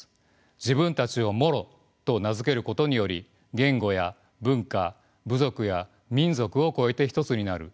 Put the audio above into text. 自分たちをモロと名付けることにより言語や文化部族や民族を超えて一つになる。